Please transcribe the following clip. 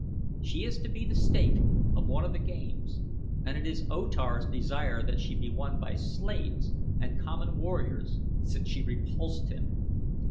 She is to be the stake of one of the games and it is O Tar's desire that she be won by slaves and common warriors, since she repulsed him.